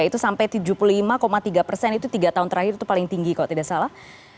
itu sampai tujuh puluh lima tiga persen itu tiga tahun terakhir itu paling tinggi kalau tidak salah